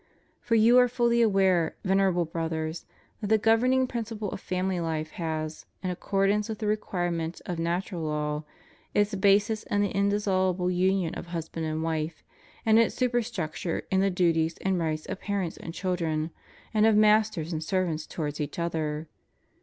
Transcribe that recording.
For you are fully aware, Venerable Brothers, that the governing principle of family life has, in accordance with the require ments of natural law, its basis in the indissoluble union of husband and vvife, and its superstructure in the duties and rights of parents and children, and of masters and servants towards each other.